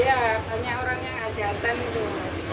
ya banyak orang yang hajatan itu